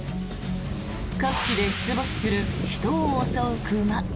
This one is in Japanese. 各地で出没する人を襲う熊。